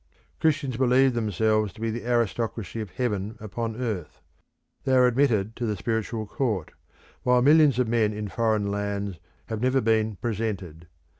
Christians believe themselves to be the aristocracy of heaven upon earth; they are admitted to the spiritual court, while millions of men in foreign lands have never been presented.